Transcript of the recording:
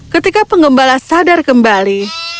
ketika pengembala sadar kembali